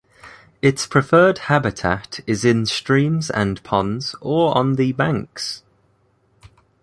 Its preferred habitat is in streams and ponds or on the banks.